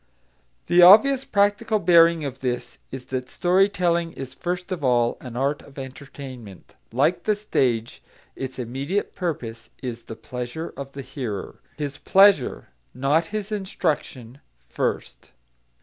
The obvious practical bearing of this is that story telling is first of all an art of entertainment; like the stage, its immediate purpose is the pleasure of the hearer, his pleasure, not his instruction, first.